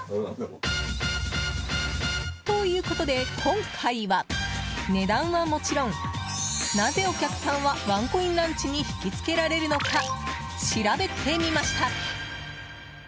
ということで今回は、値段はもちろんなぜ、お客さんはワンコインランチに引きつけられるのか調べてみました。